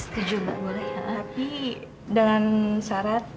tapi dengan syarat